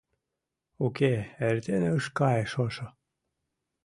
Уке, эртен ыш кае шошо